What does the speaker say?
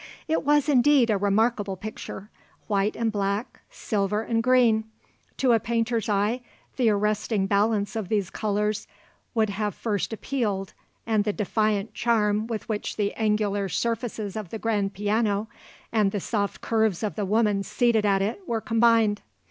It was indeed a remarkable picture; white and black; silver and green. To a painter's eye the arresting balance of these colours would have first appealed and the defiant charm with which the angular surfaces of the grand piano and the soft curves of the woman seated at it were combined.